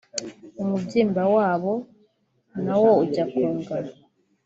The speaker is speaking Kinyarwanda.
umubyimba wabo nawo ujya kungana